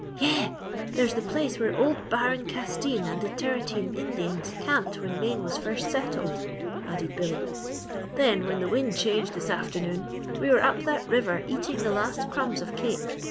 "Yeh! There's the place where old Baron Castine and the Tarratine Indians camped when Maine was first settled," added Billy. "Then when the wind changed this afternoon, we were up that river eating the last crumbs of cake.